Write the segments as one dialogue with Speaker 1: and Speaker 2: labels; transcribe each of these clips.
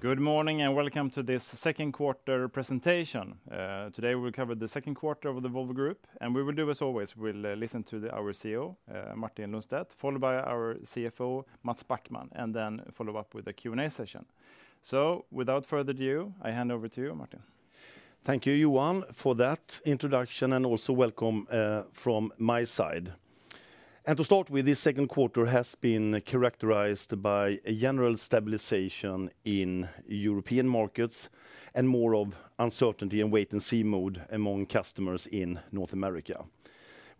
Speaker 1: Good morning and welcome to this second quarter presentation. Today we will cover the second quarter of the Volvo Group, and we will do as always. We will listen to our CEO, Martin Lundstedt, followed by our CFO, Mats Backman, and then follow up with a Q&A session. So, without further ado, I hand over to you, Martin.
Speaker 2: Thank you, Johan, for that introduction and also welcome from my side. To start with, this second quarter has been characterized by a general stabilization in European markets and more of uncertainty and wait-and-see mode among customers in North America.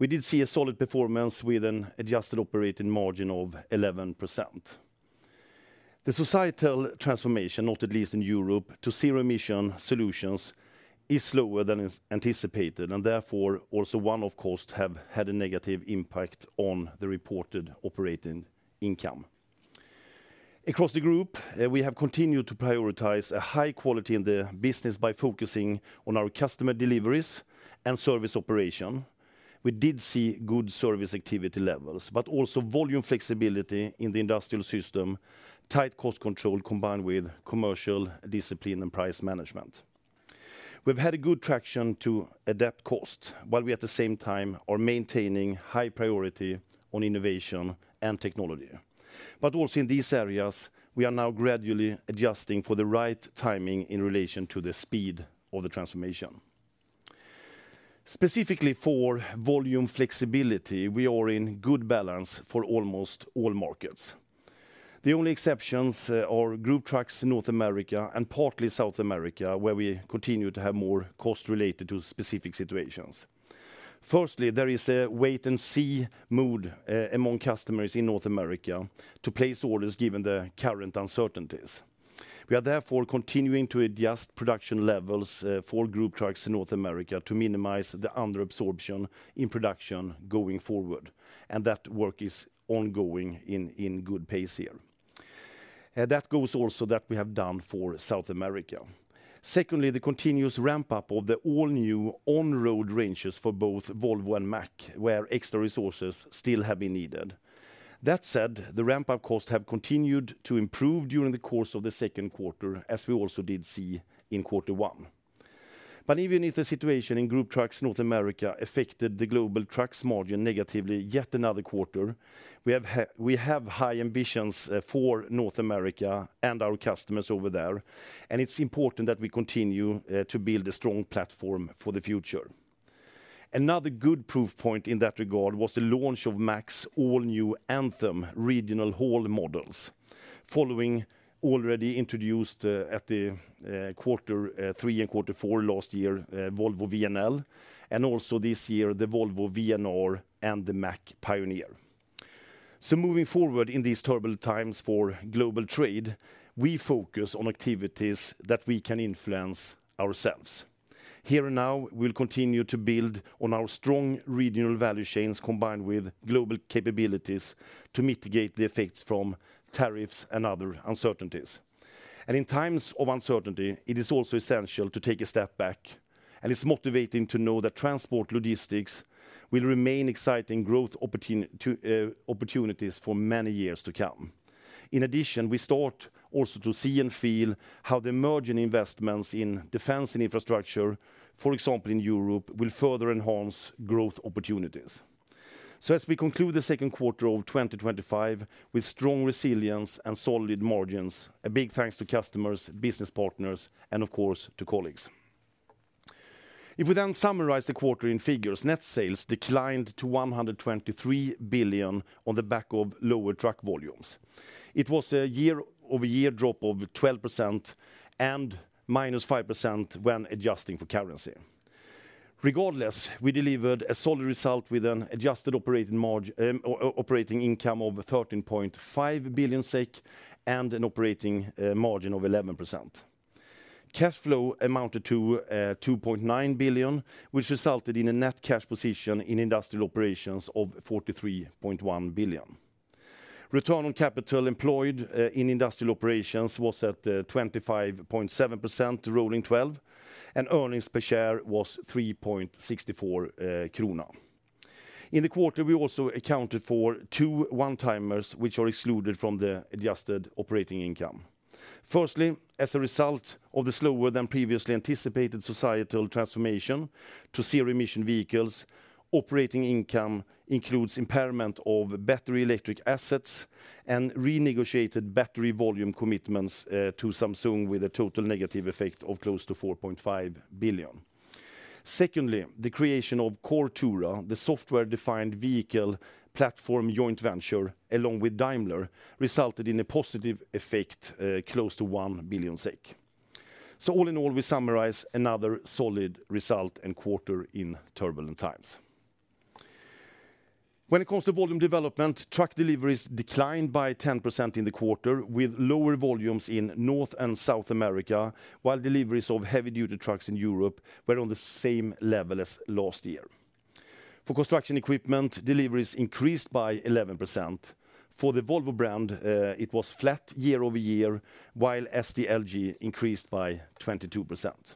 Speaker 2: We did see a solid performance with an adjusted operating margin of 11%. The societal transformation, not least in Europe, to zero-emission solutions is slower than anticipated and therefore also one-off costs have had a negative impact on the reported operating income. Across the group, we have continued to prioritize a high quality in the business by focusing on our customer deliveries and service operation. We did see good service activity levels, but also volume flexibility in the industrial system, tight cost control combined with commercial discipline and price management. We've had good traction to adapt costs, while we at the same time are maintaining high priority on innovation and technology. Also in these areas, we are now gradually adjusting for the right timing in relation to the speed of the transformation. Specifically for volume flexibility, we are in good balance for almost all markets. The only exceptions are Group Trucks in North America and partly South America, where we continue to have more costs related to specific situations. Firstly, there is a wait-and-see mode among customers in North America to place orders given the current uncertainties. We are therefore continuing to adjust production levels for Group Trucks in North America to minimize the underabsorption in production going forward, and that work is ongoing in good pace here. That goes also that we have done for South America. Secondly, the continuous ramp-up of the all-new on-road ranges for both Volvo and Mack, where extra resources still have been needed. That said, the ramp-up costs have continued to improve during the course of the second quarter, as we also did see in quarter one. Even if the situation in Group Trucks North America affected the global trucks margin negatively yet another quarter, we have high ambitions for North America and our customers over there, and it's important that we continue to build a strong platform for the future. Another good proof point in that regard was the launch of Mack's all-new Anthem regional haul models, following already introduced at the quarter three and quarter four last year, Volvo VNL, and also this year the Volvo VNR and the Mack Pioneer. Moving forward in these turbulent times for global trade, we focus on activities that we can influence ourselves. Here and now, we will continue to build on our strong regional value chains combined with global capabilities to mitigate the effects from tariffs and other uncertainties. In times of uncertainty, it is also essential to take a step back, and it's motivating to know that transport logistics will remain exciting growth opportunities for many years to come. In addition, we start also to see and feel how the emerging investments in defense and infrastructure, for example in Europe, will further enhance growth opportunities. As we conclude the second quarter of 2025 with strong resilience and solid margins, a big thanks to customers, business partners, and of course to colleagues. If we then summarize the quarter in figures, net sales declined to 123 billion on the back of lower truck volumes. It was a year-over-year drop of 12% and minus -5% when adjusting for currency. Regardless, we delivered a solid result with an adjusted operating income of 13.5 billion SEK and an operating margin of 11%. Cash flow amounted to 2.9 billion, which resulted in a net cash position in industrial operations of 43.1 billion. Return on capital employed in industrial operations was at 25.7%, rolling 12, and earnings per share was 3.64 krona. In the quarter, we also accounted for two one-timers, which are excluded from the adjusted operating income. Firstly, as a result of the slower than previously anticipated societal transformation to zero-emission vehicles, operating income includes impairment of battery electric assets and renegotiated battery volume commitments to Samsung, with a total negative effect of close to 4.5 billion. Secondly, the creation of Coretura, the software-defined vehicle platform joint venture, along with Daimler, resulted in a positive effect close to 1 billion SEK. All in all, we summarize another solid result and quarter in turbulent times. When it comes to volume development, truck deliveries declined by 10% in the quarter, with lower volumes in North and South America, while deliveries of heavy-duty trucks in Europe were on the same level as last year. For construction equipment, deliveries increased by 11%. For the Volvo brand, it was flat year-over-year, while SDLG increased by 22%.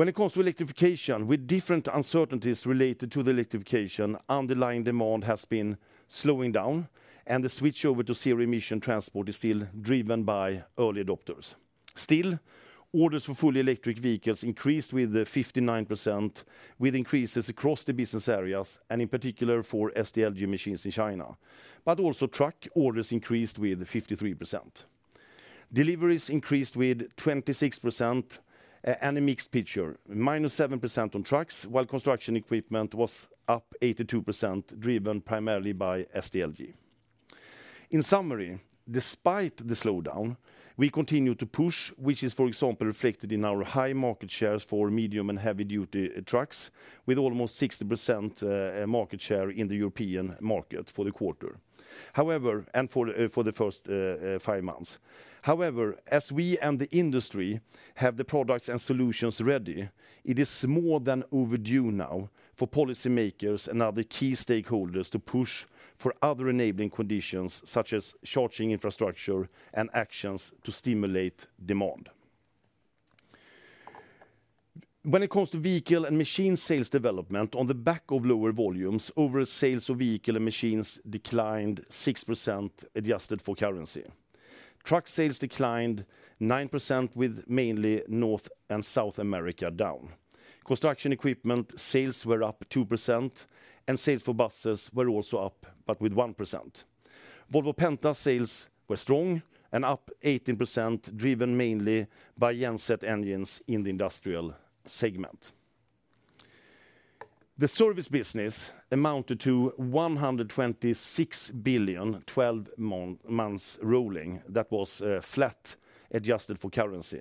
Speaker 2: When it comes to electrification, with different uncertainties related to the electrification, underlying demand has been slowing down, and the switch over to zero-emission transport is still driven by early adopters. Still, orders for fully electric vehicles increased with 59%, with increases across the business areas, and in particular for SDLG machines in China. Also truck orders increased with 53%. Deliveries increased with 26%, and a mixed picture, -7% on trucks, while construction equipment was up 82%, driven primarily by SDLG. In summary, despite the slowdown, we continue to push, which is, for example, reflected in our high-market shares for medium and heavy-duty trucks, with almost 60% market share in the European market for the quarter. However, as we and the industry have the products and solutions ready, it is more than overdue now for policymakers and other key stakeholders to push for other enabling conditions, such as charging infrastructure and actions to stimulate demand. When it comes to vehicle and machine sales development, on the back of lower volumes, overall sales of vehicle and machines declined 6% adjusted for currency. Truck sales declined 9%, with mainly North and South America down. Construction equipment sales were up 2%, and sales for buses were also up, but with 1%. Volvo Penta sales were strong and up 18%, driven mainly by genset engines in the industrial segment. The service business amounted to 126 billion, 12-months rolling. That was flat adjusted for currency.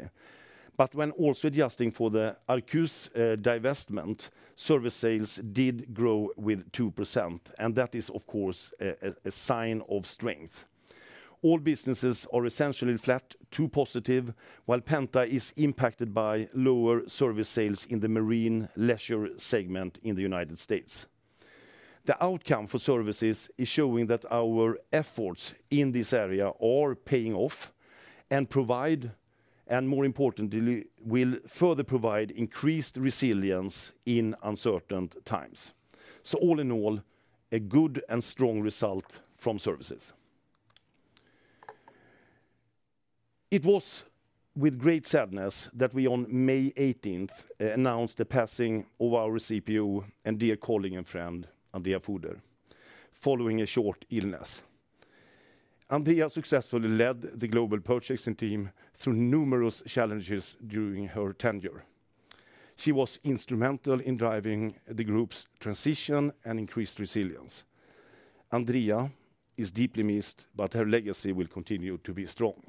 Speaker 2: When also adjusting for the Arquus divestment, service sales did grow with 2%, and that is, of course, a sign of strength. All businesses are essentially flat, too positive, while Penta is impacted by lower service sales in the marine leisure segment in the United States. The outcome for services is showing that our efforts in this area are paying off and provide, and more importantly, will further provide increased resilience in uncertain times. All in all, a good and strong result from services. It was with great sadness that we on May 18th announced the passing of our CPO and dear colleague and friend, Andrea Fuder, following a short illness. Andrea successfully led the global purchasing team through numerous challenges during her tenure. She was instrumental in driving the group's transition and increased resilience. Andrea is deeply missed, but her legacy will continue to be strong.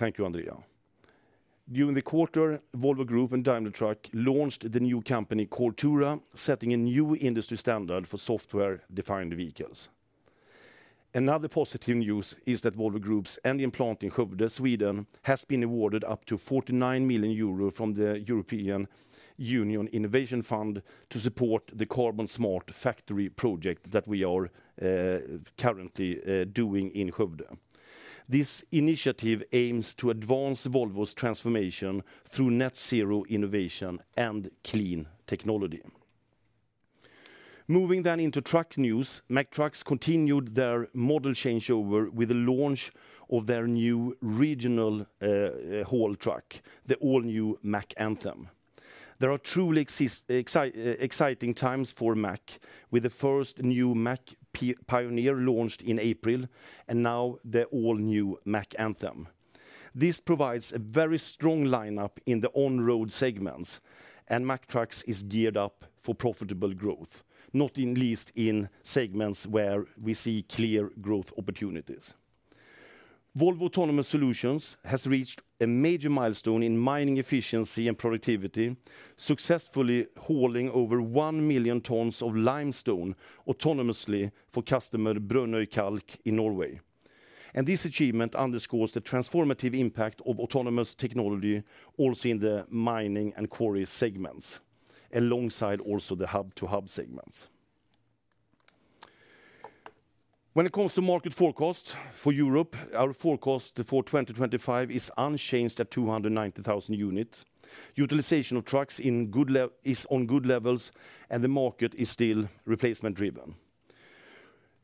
Speaker 2: Thank you, Andrea. During the quarter, Volvo Group and Daimler Truck launched the new company Coretura, setting a new industry standard for software-defined vehicles. Another positive news is that Volvo Group's engine plant in Skövde, Sweden, has been awarded up to 49 million euro from the European Union Innovation Fund to support the carbon-smart factory project that we are currently doing in Skövde. This initiative aims to advance Volvo's transformation through net zero innovation and clean technology. Moving then into truck news, Mack Trucks continued their model changeover with the launch of their new regional haul truck, the all-new Mack Anthem. There are truly exciting times for Mack, with the first new Mack Pioneer launched in April and now the all-new Mack Anthem. This provides a very strong lineup in the on-road segments, and Mack Trucks is geared up for profitable growth, not least in segments where we see clear growth opportunities. Volvo Autonomous Solutions has reached a major milestone in mining efficiency and productivity, successfully hauling over one million tons of limestone autonomously for customer Brønnøy Kalk in Norway, and this achievement underscores the transformative impact of autonomous technology also in the mining and quarry segments, alongside also the hub-to-hub segments. When it comes to market forecast for Europe, our forecast for 2025 is unchanged at 290,000 units. Utilization of trucks is on good levels, and the market is still replacement-driven.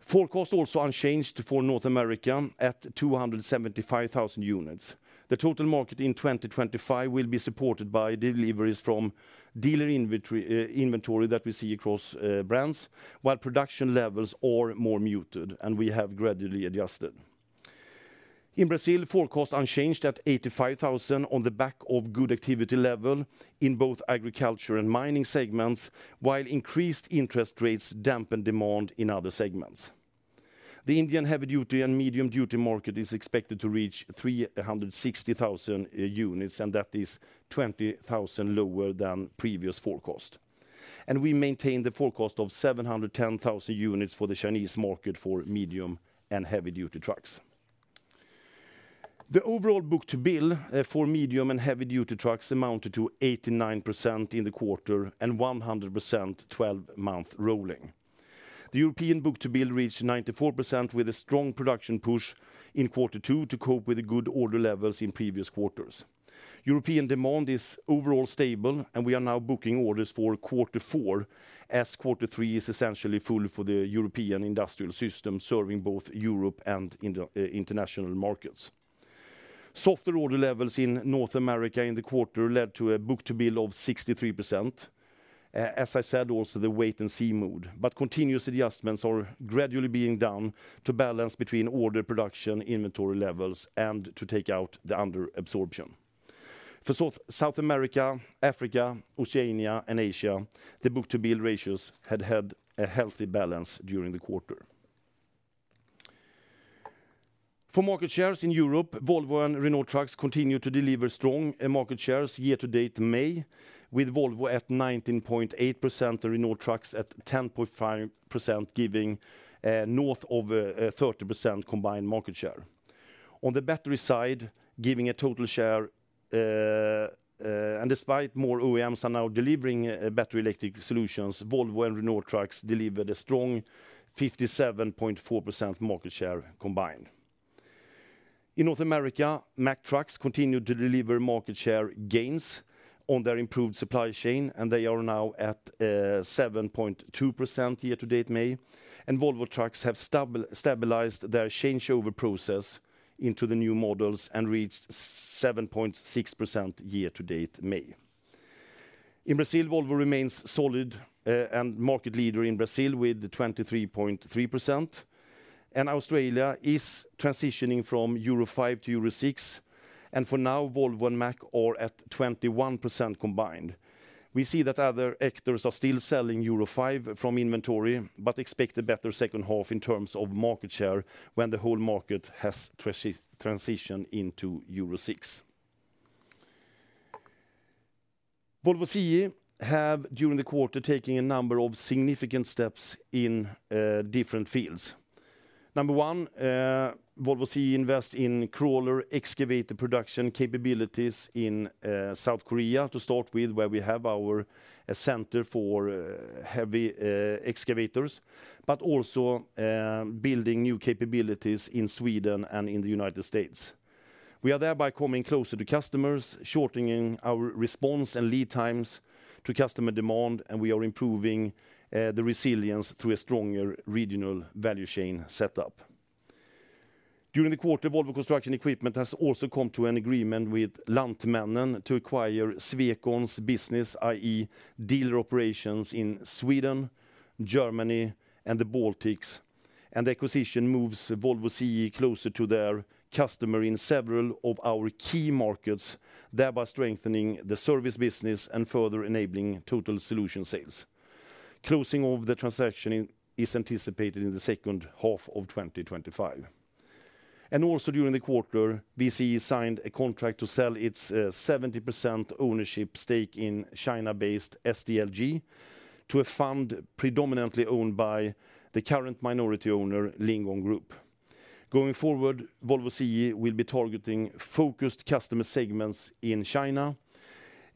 Speaker 2: Forecast also unchanged for North America at 275,000 units. The total market in 2025 will be supported by deliveries from dealer inventory that we see across brands, while production levels are more muted and we have gradually adjusted. In Brazil, forecast unchanged at 85,000 on the back of good activity level in both agriculture and mining segments, while increased interest rates dampen demand in other segments. The Indian heavy-duty and medium-duty market is expected to reach 360,000 units, and that is 20,000 lower than previous forecast, and we maintain the forecast of 710,000 units for the Chinese market for medium and heavy-duty trucks. The overall book-to-bill for medium and heavy-duty trucks amounted to 89% in the quarter and 100% 12-month rolling. The European book-to-bill reached 94% with a strong production push in quarter two to cope with the good order levels in previous quarters. European demand is overall stable, and we are now booking orders for quarter four as quarter three is essentially full for the European industrial system, serving both Europe and international markets. Softer order levels in North America in the quarter led to a book-to-bill of 63%. As I said, also the wait-and-see mode, but continuous adjustments are gradually being done to balance between order production inventory levels and to take out the underabsorption. For South America, Africa, Oceania, and Asia, the book-to-bill ratios had a healthy balance during the quarter. For market shares in Europe, Volvo and Renault Trucks continue to deliver strong market shares year-to-date May, with Volvo at 19.8% and Renault Trucks at 10.5%, giving north of 30% combined market share. On the battery side, giving a total share, and despite more OEMs are now delivering battery electric solutions, Volvo and Renault Trucks delivered a strong 57.4% market share combined. In North America, Mack Trucks continue to deliver market share gains on their improved supply chain, and they are now at 7.2% year-to-date May. Volvo Trucks have stabilized their changeover process into the new models and reached 7.6% year-to-date May. In Brazil, Volvo remains solid and market leader in Brazil with 23.3%. Australia is transitioning from Euro 5 to Euro 6, and for now, Volvo and Mack are at 21% combined. We see that other actors are still selling Euro 5 from inventory, but expect a better second half in terms of market share when the whole market has transitioned into Euro 6. Volvo CE have, during the quarter, taken a number of significant steps in different fields. Number one, Volvo CE invests in crawler excavator production capabilities in South Korea to start with, where we have our center for heavy excavators, but also building new capabilities in Sweden and in the United States. We are thereby coming closer to customers, shortening our response and lead times to customer demand, and we are improving the resilience through a stronger regional value chain setup. During the quarter, Volvo Construction Equipment has also come to an agreement with Lantmännen to acquire Swecon's business, i.e., dealer operations in Sweden, Germany, and the Baltics. The acquisition moves Volvo CE closer to their customer in several of our key markets, thereby strengthening the service business and further enabling total solution sales. Closing of the transaction is anticipated in the second half of 2025. Also during the quarter, VCE signed a contract to sell its 70% ownership stake in China-based SDLG to a fund predominantly owned by the current minority owner, LiuGong Group. Going forward, Volvo CE will be targeting focused customer segments in China,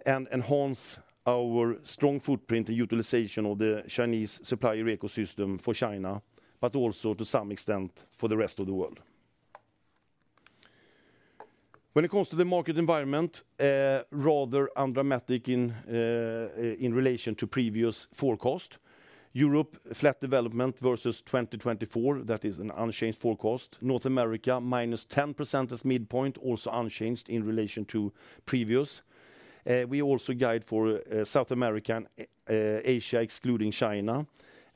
Speaker 2: and enhance our strong footprint and utilization of the Chinese supplier ecosystem for China, but also to some extent for the rest of the world. When it comes to the market environment, rather undramatic in relation to previous forecast. Europe flat development versus 2024, that is an unchanged forecast. North America, -10% as midpoint, also unchanged in relation to previous. We also guide for South America. Asia excluding China,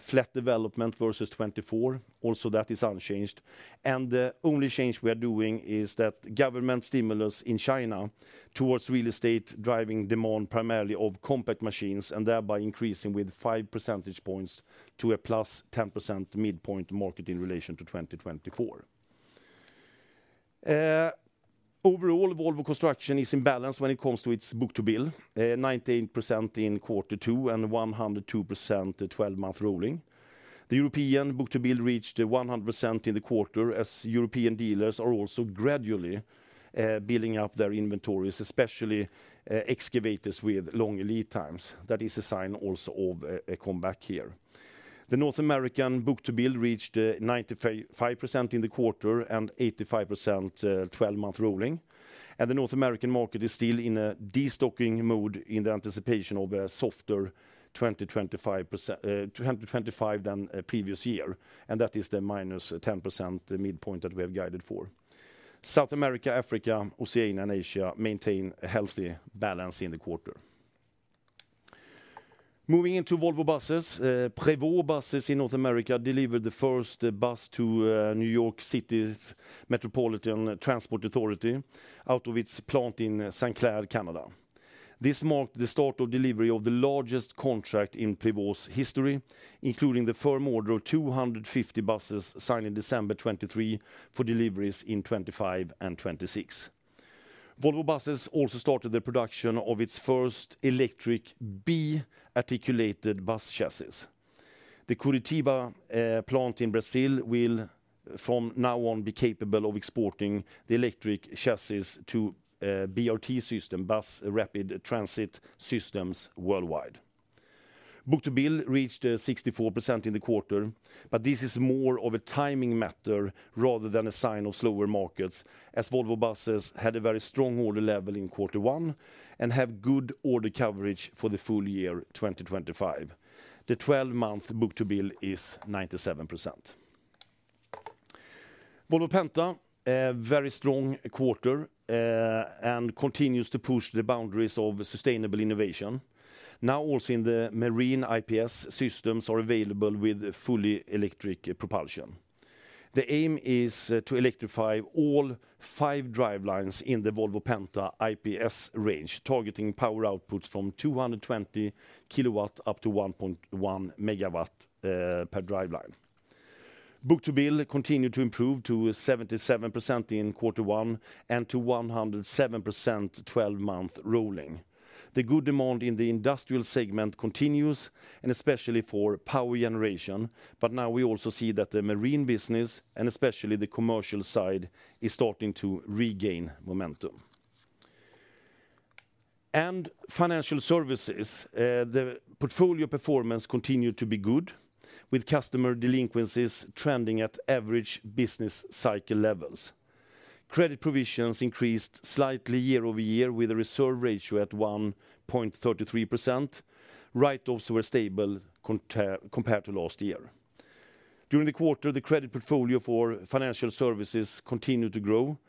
Speaker 2: flat development versus 2024, also that is unchanged. The only change we are doing is that government stimulus in China towards real estate, driving demand primarily of compact machines and thereby increasing with five percentage points to a plus 10% midpoint market in relation to 2024. Overall, Volvo Construction is in balance when it comes to its book-to-bill, 98% in quarter two and 102% 12-month rolling. The European book-to-bill reached 100% in the quarter, as European dealers are also gradually building up their inventories, especially excavators with long lead times. That is a sign also of a comeback here. The North American book-to-bill reached 95% in the quarter and 85% 12-month rolling. The North American market is still in a destocking mode in the anticipation of a softer 2025 than previous year. That is the -10% midpoint that we have guided for. South America, Africa, Oceania, and Asia maintain a healthy balance in the quarter. Moving into Volvo Buses, Prevost buses in North America delivered the first bus to New York City's Metropolitan Transport Authority out of its plant in St. Clair, Canada. This marked the start of delivery of the largest contract in Prevost's history, including the firm order of 250 buses signed in December 2023 for deliveries in 2025 and 2026. Volvo Buses also started the production of its first electric B-articulated bus chassis. The Curitiba plant in Brazil will, from now on, be capable of exporting the electric chassis to BRT system, Bus Rapid Transit Systems, worldwide. Book-to-bill reached 64% in the quarter, but this is more of a timing matter rather than a sign of slower markets, as Volvo Buses had a very strong order level in quarter one and have good order coverage for the full year 2025. The 12-month book-to-bill is 97%. Volvo Penta, a very strong quarter. It continues to push the boundaries of sustainable innovation. Now also in the marine IPS systems are available with fully electric propulsion. The aim is to electrify all five drivelines in the Volvo Penta IPS range, targeting power outputs from 220 kW up to 1.1 MW per driveline. Book-to-bill continued to improve to 77% in quarter one and to 107% 12-month rolling. The good demand in the industrial segment continues, and especially for power generation, but now we also see that the marine business, and especially the commercial side, is starting to regain momentum. Financial services, the portfolio performance continued to be good, with customer delinquencies trending at average business cycle levels. Credit provisions increased slightly year-over-year with a reserve ratio at 1.33%. Rates also were stable compared to last year. During the quarter, the credit portfolio for financial services continued to grow,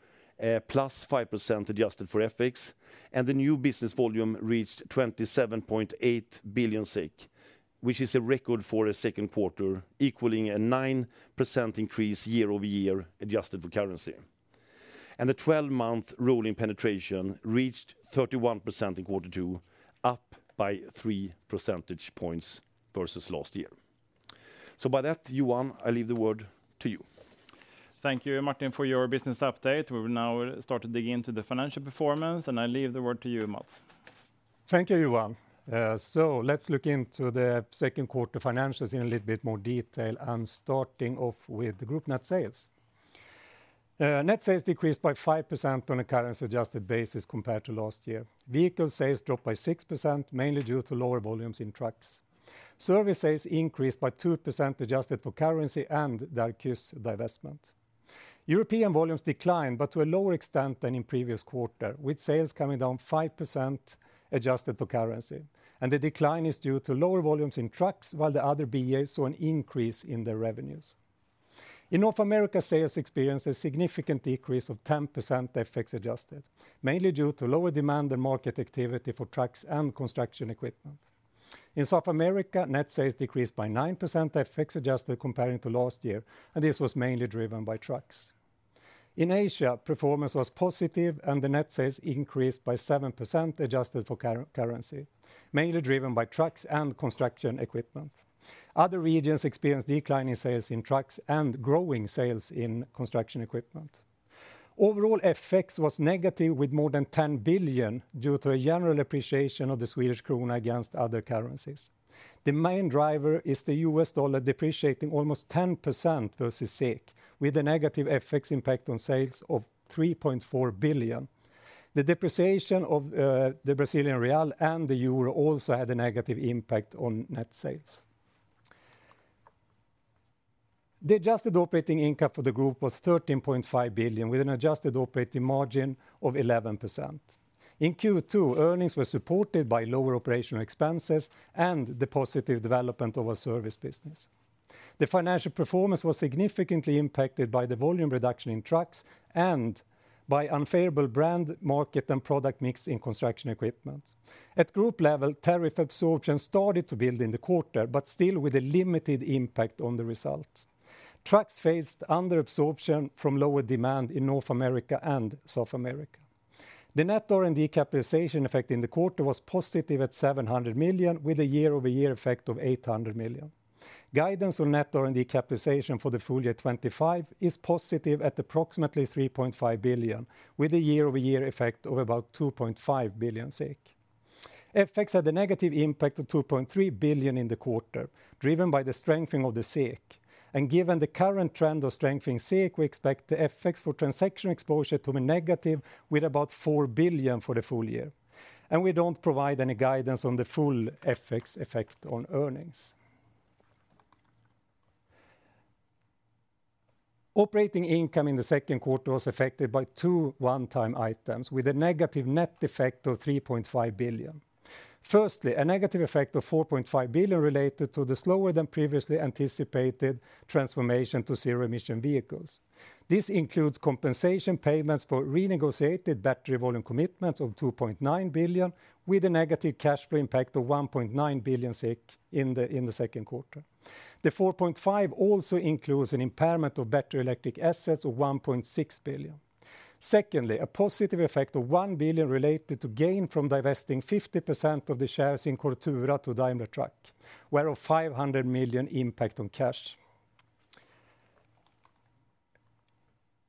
Speaker 2: +5% adjusted for FX, and the new business volume reached 27.8 billion SEK, which is a record for a second quarter, equaling a 9% increase year-over-year adjusted for currency. The 12-month rolling penetration reached 31% in quarter two, up by 3 percentage points versus last year. By that, Johan, I leave the word to you.
Speaker 1: Thank you, Martin, for your business update. We will now start to dig into the financial performance, and I leave the word to you, Mats.
Speaker 3: Thank you, Johan. Let's look into the second quarter financials in a little bit more detail. I'm starting off with the Group net sales. Net sales decreased by 5% on a currency-adjusted basis compared to last year. Vehicle sales dropped by 6%, mainly due to lower volumes in trucks. Service sales increased by 2% adjusted for currency and Arquus divestment. European volumes declined, but to a lower extent than in previous quarter, with sales coming down 5% adjusted for currency. The decline is due to lower volumes in trucks, while the other BAs saw an increase in their revenues. In North America, sales experienced a significant decrease of 10% FX adjusted, mainly due to lower demand and market activity for trucks and construction equipment. In South America, net sales decreased by 9% FX adjusted compared to last year, and this was mainly driven by trucks. In Asia, performance was positive, and the net sales increased by 7% adjusted for currency, mainly driven by trucks and construction equipment. Other regions experienced declining sales in trucks and growing sales in construction equipment. Overall, FX was negative with more than 10 billion due to a general appreciation of the Swedish krona against other currencies. The main driver is the U.S. dollar depreciating almost 10% versus SEK, with a negative FX impact on sales of 3.4 billion. The depreciation of the Brazilian real and the euro also had a negative impact on net sales. The adjusted operating income for the group was 13.5 billion, with an adjusted operating margin of 11%. In Q2, earnings were supported by lower operational expenses and the positive development of our service business. The financial performance was significantly impacted by the volume reduction in trucks and by unfavorable brand market and product mix in construction equipment. At group level, tariff absorption started to build in the quarter, but still with a limited impact on the result. Trucks faced under-absorption from lower demand in North America and South America. The net R&D capitalization effect in the quarter was positive at 700 million, with a year-over-year effect of 800 million. Guidance on net R&D capitalization for the full year 2025 is positive at approximately 3.5 billion, with a year-over-year effect of about 2.5 billion SEK. FX had a negative impact of 2.3 billion in the quarter, driven by the strengthening of the SEK. Given the current trend of strengthening SEK, we expect the FX for transaction exposure to be negative, with about 4 billion for the full year. We don't provide any guidance on the full FX effect on earnings. Operating income in the second quarter was affected by two one-time items, with a negative net effect of 3.5 billion. Firstly, a negative effect of 4.5 billion related to the slower than previously anticipated transformation to zero-emission vehicles. This includes compensation payments for renegotiated battery volume commitments of 2.9 billion, with a negative cash flow impact of 1.9 billion in the second quarter. The 4.5 billion also includes an impairment of battery electric assets of 1.6 billion. Secondly, a positive effect of 1 billion related to gain from divesting 50% of the shares in Coretura to Daimler Truck, where a 500 million impact on cash.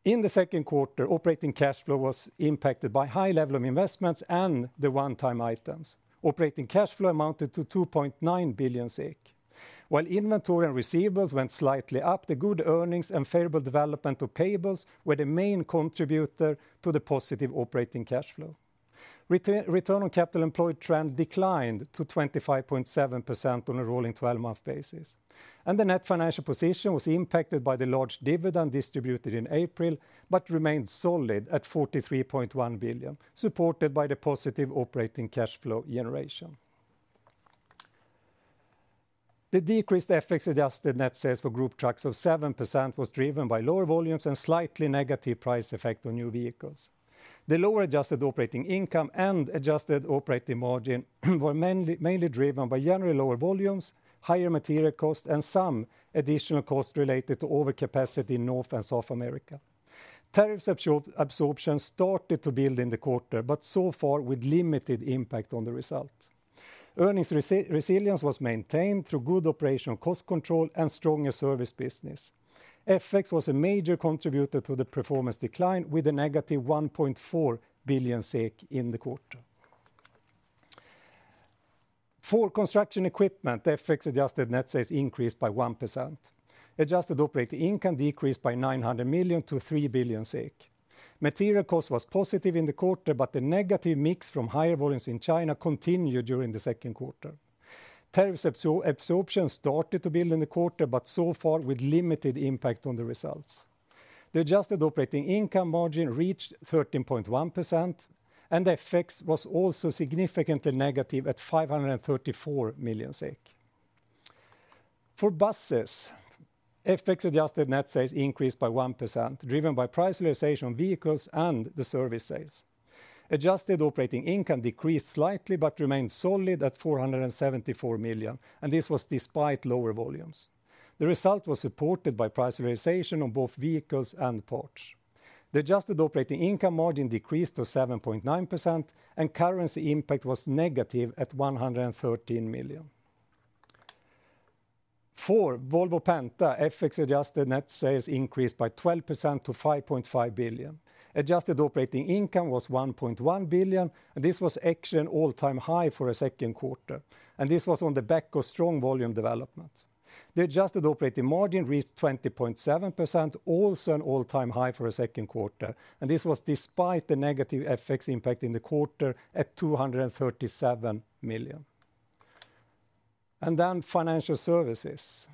Speaker 3: In the second quarter, operating cash flow was impacted by high levels of investments and the one-time items. Operating cash flow amounted to 2.9 billion SEK. While inventory and receivables went slightly up, the good earnings and favorable development of payables were the main contributor to the positive operating cash flow. Return on capital employed trend declined to 25.7% on a rolling 12-month basis. The net financial position was impacted by the large dividend distributed in April, but remained solid at 43.1 billion, supported by the positive operating cash flow generation. The decreased FX adjusted net sales for group trucks of 7% was driven by lower volumes and slightly negative price effect on new vehicles. The lower adjusted operating income and adjusted operating margin were mainly driven by generally lower volumes, higher material costs, and some additional costs related to overcapacity in North and South America. Tariff absorption started to build in the quarter, but so far with limited impact on the result. Earnings resilience was maintained through good operational cost control and stronger service business. FX was a major contributor to the performance decline, with a negative 1.4 billion SEK in the quarter. For construction equipment, FX adjusted net sales increased by 1%. Adjusted operating income decreased by 900 million to 3 billion SEK. Material cost was positive in the quarter, but the negative mix from higher volumes in China continued during the second quarter. Tariff absorption started to build in the quarter, but so far with limited impact on the results. The adjusted operating income margin reached 13.1%, and the FX was also significantly negative at 534 million SEK. For buses. FX adjusted net sales increased by 1%, driven by price realization on vehicles and the service sales. Adjusted operating income decreased slightly, but remained solid at 474 million, and this was despite lower volumes. The result was supported by price realization on both vehicles and parts. The adjusted operating income margin decreased to 7.9%, and currency impact was negative at 113 million. For Volvo Penta, FX adjusted net sales increased by 12% to 5.5 billion. Adjusted operating income was 1.1 billion, and this was actually an all-time high for a second quarter. This was on the back of strong volume development. The adjusted operating margin reached 20.7%, also an all-time high for a second quarter. This was despite the negative FX impact in the quarter at 237 million. Then financial services.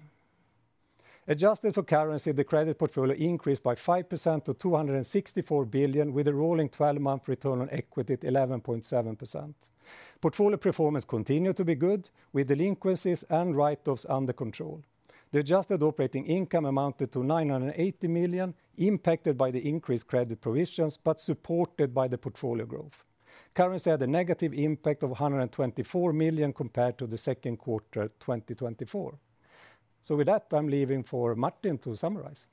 Speaker 3: Adjusted for currency, the credit portfolio increased by 5% to 264 billion, with a rolling 12-month return on equity at 11.7%. Portfolio performance continued to be good, with delinquencies and write-offs under control. The adjusted operating income amounted to 980 million, impacted by the increased credit provisions, but supported by the portfolio growth. Currency had a negative impact of 124 million compared to the second quarter 2024. So with that, I'm leaving for Martin to summarize.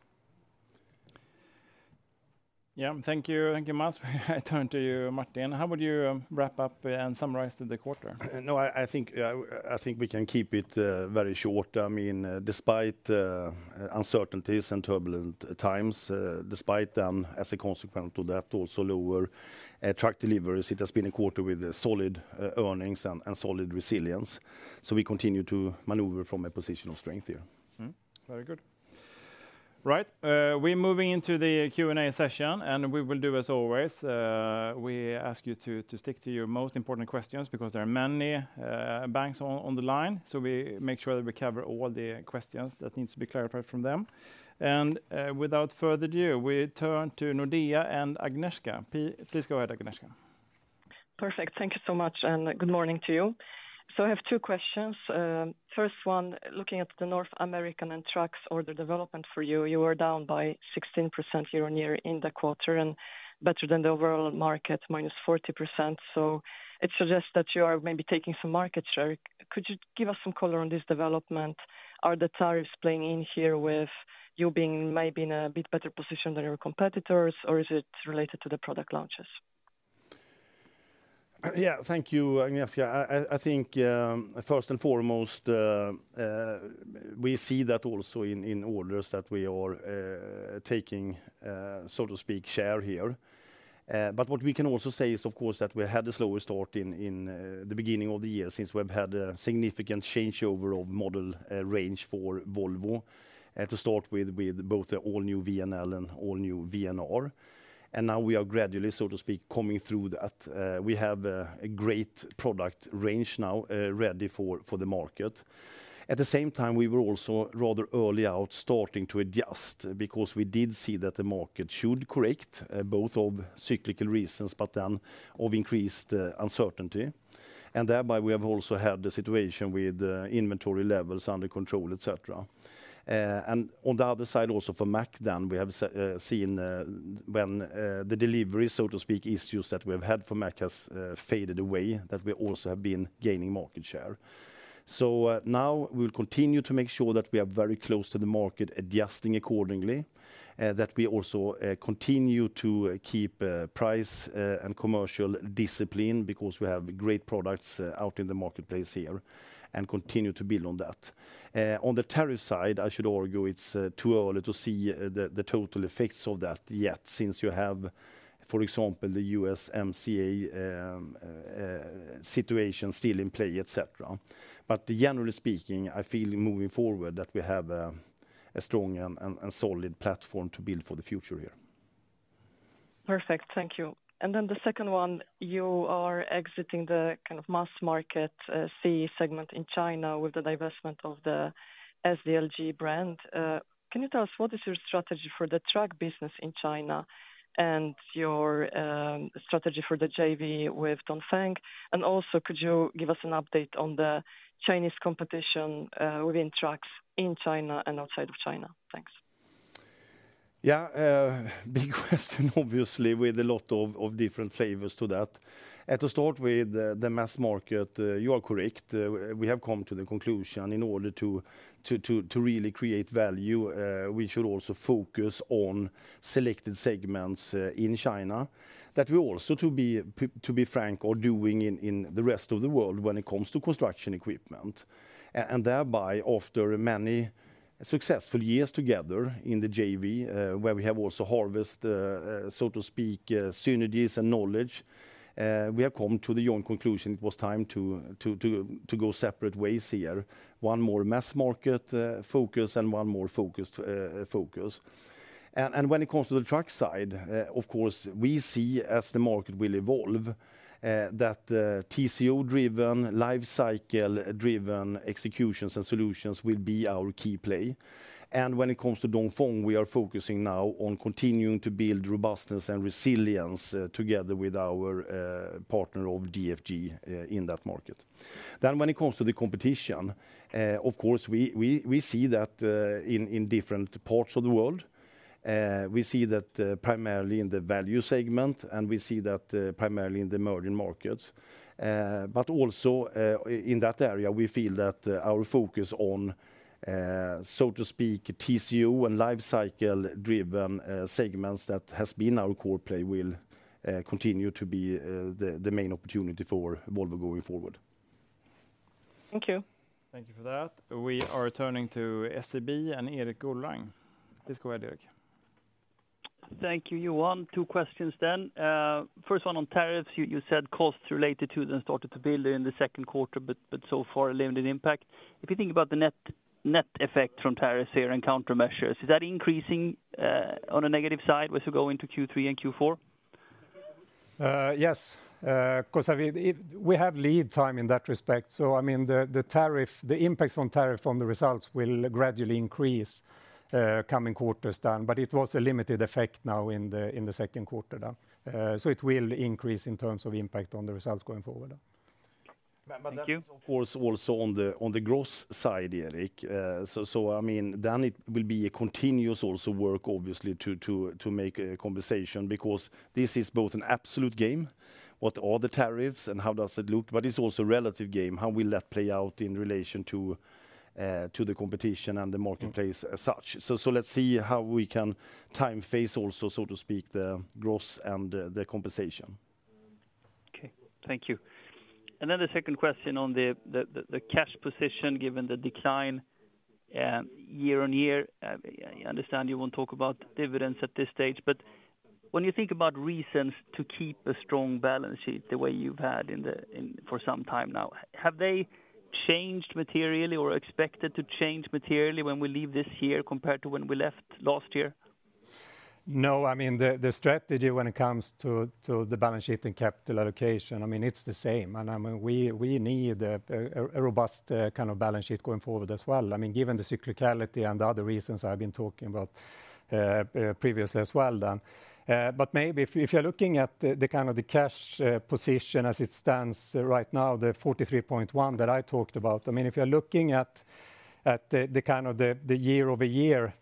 Speaker 1: Yeah, thank you, Mats. I turn to you, Martin. How would you wrap up and summarize the quarter?
Speaker 2: No, I think we can keep it very short. I mean, despite uncertainties and turbulent times, despite then, as a consequence of that, also lower truck deliveries, it has been a quarter with solid earnings and solid resilience. So we continue to maneuver from a position of strength here.
Speaker 1: Very good. Right, we're moving into the Q&A session, and we will do as always. We ask you to stick to your most important questions because there are many banks on the line, so we make sure that we cover all the questions that need to be clarified from them. Without further ado, we turn to Nordea and Agnieszka. Please go ahead, Agnieszka.
Speaker 4: Perfect, thank you so much, and good morning to you. So I have two questions. First one, looking at the North American and trucks order development for you, you were down by 16% year on year in the quarter and better than the overall market, -40%. So it suggests that you are maybe taking some market share. Could you give us some color on this development? Are the tariffs playing in here with you being maybe in a bit better position than your competitors, or is it related to the product launches?
Speaker 2: Yeah, thank you, Agnieszka. I think, first and foremost, we see that also in orders that we are taking, so to speak, share here. What we can also say is, of course, that we had a slower start in the beginning of the year since we've had a significant changeover of model range for Volvo. To start with, with both the all-new VNL and all-new VNR. Now we are gradually, so to speak, coming through that. We have a great product range now ready for the market. At the same time, we were also rather early out starting to adjust because we did see that the market should correct, both of cyclical reasons, but then of increased uncertainty. And thereby, we have also had the situation with inventory levels under control, etc. On the other side also for Mack, then we have seen. When the delivery, so to speak, issues that we have had for Mack have faded away, that we also have been gaining market share. So now we will continue to make sure that we are very close to the market, adjusting accordingly, that we also continue to keep price and commercial discipline because we have great products out in the marketplace here and continue to build on that. On the tariff side, I should argue, it's too early to see the total effects of that yet since you have, for example, the USMCA situation still in play, etc. Generally speaking, I feel moving forward that we have a strong and solid platform to build for the future here.
Speaker 4: Perfect, thank you. Then the second one, you are exiting the kind of mass market C-segment in China with the divestment of the SDLG brand. Can you tell us what is your strategy for the truck business in China and your strategy for the JV with Dongfeng? Also, could you give us an update on the Chinese competition within trucks in China and outside of China? Thanks.
Speaker 2: Yeah, big question, obviously, with a lot of different flavors to that. To start with the mass market, you are correct. We have come to the conclusion in order to really create value, we should also focus on selected segments in China that we also, to be frank, are doing in the rest of the world when it comes to construction equipment. Thereby, after many successful years together in the JV, where we have also harvested, so to speak, synergies and knowledge, we have come to the conclusion it was time to go separate ways here. One more mass market focus and one more focused focus. And when it comes to the truck side, of course, we see as the market will evolve that TCO-driven, life cycle-driven executions and solutions will be our key play. When it comes to Dongfeng, we are focusing now on continuing to build robustness and resilience together with our partner of DFG in that market. Then when it comes to the competition, of course, we see that in different parts of the world. We see that primarily in the value segment, and we see that primarily in the emerging markets. Also in that area, we feel that our focus on, so to speak, TCO and life cycle-driven segments that has been our core play will continue to be the main opportunity for Volvo going forward.
Speaker 4: Thank you.
Speaker 1: Thank you for that. We are turning to SEB and Erik Golrang. Please go ahead, Erik.
Speaker 5: Thank you, Johan. Two questions then. First one on tariffs. You said costs related to them started to build in the second quarter, but so far limited impact. If you think about the net effect from tariffs here and countermeasures, is that increasing on a negative side as you go into Q3 and Q4?
Speaker 3: Yes, because we have lead time in that respect. So, I mean, the impact from tariff on the results will gradually increase. Coming quarters, but it was a limited effect now in the second quarter. It will increase in terms of impact on the results going forward.
Speaker 5: Thank you.
Speaker 2: Of course, also on the gross side, Erik. I mean, then it will be a continuous also work, obviously, to make a compensation because this is both an absolute game. What are the tariffs and how does it look? But it's also a relative game. How will that play out in relation to the competition and the marketplace as such? Let's see how we can time phase also, so to speak, the gross and the compensation.
Speaker 5: Okay, thank you. Then the second question on the cash position, given the decline year on year. I understand you won't talk about dividends at this stage, but when you think about reasons to keep a strong balance sheet the way you've had for some time now, have they changed materially or expected to change materially when we leave this year compared to when we left last year?
Speaker 3: No, I mean, the strategy when it comes to the balance sheet and capital allocation, I mean, it's the same. I mean, we need a robust kind of balance sheet going forward as well. I mean, given the cyclicality and other reasons I've been talking about previously as well then. But maybe if you're looking at the kind of the cash position as it stands right now, the 43.1 billion that I talked about, I mean, if you're looking at the kind of the year-over-year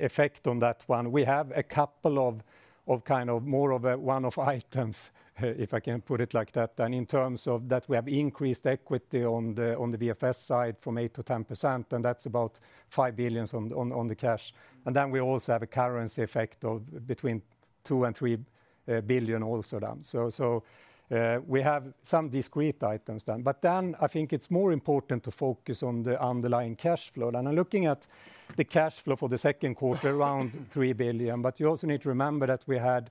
Speaker 3: effect on that one, we have a couple of kind of more of one-off items, if I can put it like that, and in terms of that we have increased equity on the VFS side from 8% to 10%, and that's about 5 billion on the cash. Then we also have a currency effect of between 2 billion and 3 billion also then. We have some discrete items then. Then I think it's more important to focus on the underlying cash flow. I'm looking at the cash flow for the second quarter, around 3 billion. You also need to remember that we had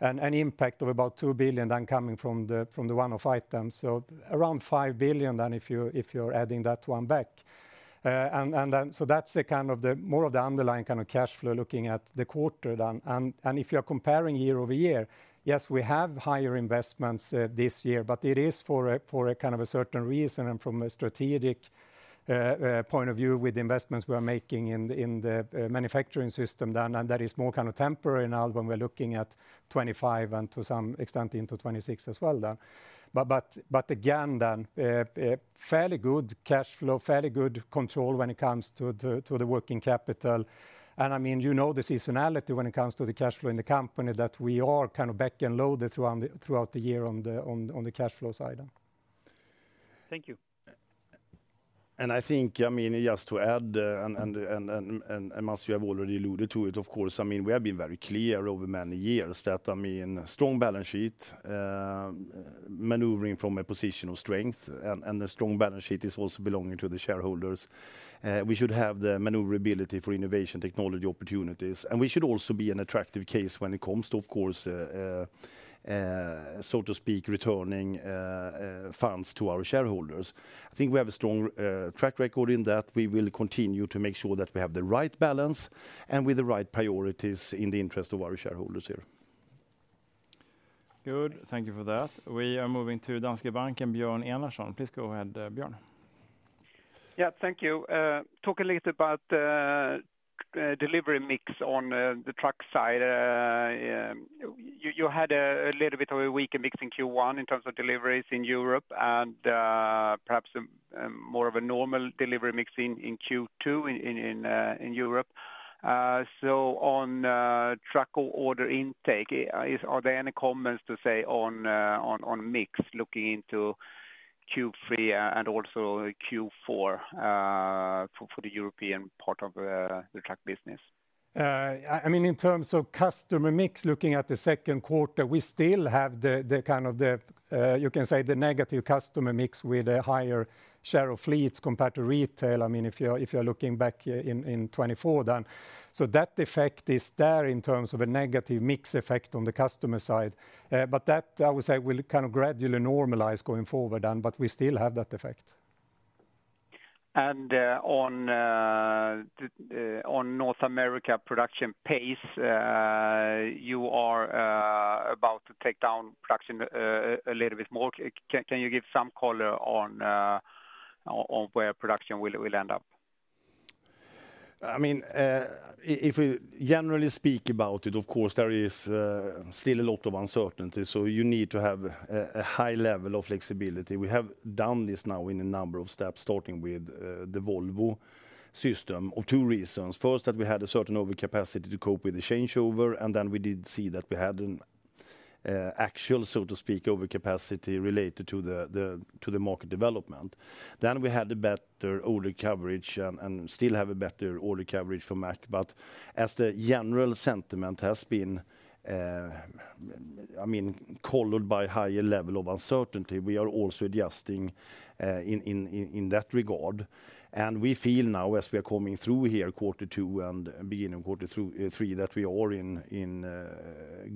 Speaker 3: an impact of about 2 billion then coming from the one-off items. So, around 5 billion then if you're adding that one back. Then so that's a kind of the more of the underlying kind of cash flow looking at the quarter then. And if you're comparing year-over-year, yes, we have higher investments this year, but it is for a kind of a certain reason and from a strategic point of view with the investments we are making in the manufacturing system then. And that is more kind of temporary now when we're looking at 2025 and to some extent into 2026 as well then. Again then, fairly good cash flow, fairly good control when it comes to the working capital. I mean, you know the seasonality when it comes to the cash flow in the company that we are kind of back and loaded throughout the year on the cash flow side then.
Speaker 5: Thank you.
Speaker 2: I think, I mean, just to add, and as you have already alluded to it, of course, I mean, we have been very clear over many years that, I mean, strong balance sheet. Maneuvering from a position of strength, and a strong balance sheet is also belonging to the shareholders. We should have the maneuverability for innovation technology opportunities. We should also be an attractive case when it comes to, of course, so to speak, returning funds to our shareholders. I think we have a strong track record in that we will continue to make sure that we have the right balance and with the right priorities in the interest of our shareholders here.
Speaker 1: Good, thank you for that. We are moving to Danske Bank and Björn Enarson. Please go ahead, Björn.
Speaker 6: Yeah, thank you. Talk a little bit about the delivery mix on the truck side. You had a little bit of a weaker mix in Q1 in terms of deliveries in Europe and perhaps more of a normal delivery mix in Q2 in Europe. So on truck order intake, are there any comments to say on mix looking into. Q3 and also Q4 for the European part of the truck business?
Speaker 3: I mean, in terms of customer mix, looking at the second quarter, we still have the kind of the, you can say, the negative customer mix with a higher share of fleets compared to retail. I mean, if you're looking back in 2024 then, so that effect is there in terms of a negative mix effect on the customer side. That, I would say, will kind of gradually normalize going forward then, but we still have that effect.
Speaker 6: On North America production pace, you are about to take down production a little bit more. Can you give some color on where production will end up?
Speaker 2: I mean. If we generally speak about it, of course, there is still a lot of uncertainty. You need to have a high level of flexibility. We have done this now in a number of steps, starting with the Volvo system for two reasons. First, that we had a certain overcapacity to cope with the changeover, and then we did see that we had an actual, so to speak, overcapacity related to the market development. Then we had a better order coverage and still have a better order coverage for Mack. As the general sentiment has been colored by a higher level of uncertainty, we are also adjusting in that regard. We feel now, as we are coming through here quarter two and beginning quarter three that we are in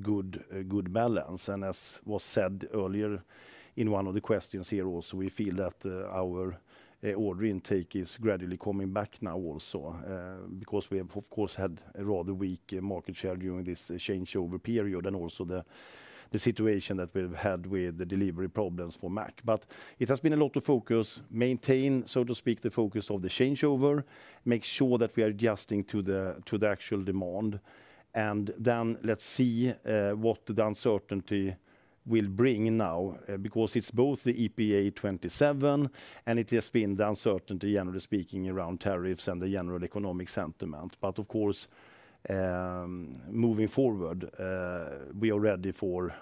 Speaker 2: good balance. s was said earlier in one of the questions here also, we feel that our order intake is gradually coming back now also because we have, of course, had a rather weak market share during this changeover period and also the situation that we've had with the delivery problems for Mack. It has been a lot of focus, maintain, so to speak, the focus of the changeover, make sure that we are adjusting to the actual demand. Then let's see what the uncertainty will bring now because it's both the EPA 27 and it has been the uncertainty, generally speaking, around tariffs and the general economic sentiment. Of course, moving forward, we are ready for